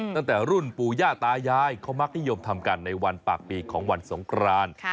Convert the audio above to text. ตั้งแต่รุ่นปู่ย่าตายายเขามักนิยมทำกันในวันปากปีของวันสงคราน